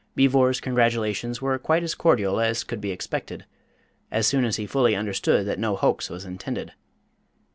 Beevor's congratulations were quite as cordial as could be expected, as soon as he fully understood that no hoax was intended.